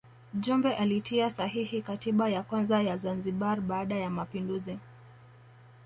Jumbe alitia sahihi katiba ya kwanza ya Zanzibar baada ya mapinduzi